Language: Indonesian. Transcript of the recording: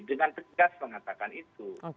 dengan tegas mengatakan itu